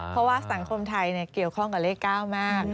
เพราะว่าสังคมไทยเกี่ยวข้องกับเลข๙มาก